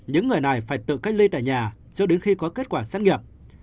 những người này phải tự cách ly tại nhà cho đến khi có kết quả xét nghiệm